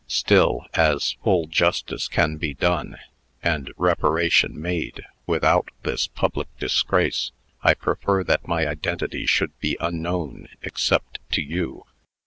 Still, as full justice can be done, and reparation made, without this public disgrace, I prefer that my identity should be unknown except to you.